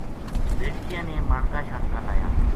بیٹکیاں نے مانکا شانکا لایا۔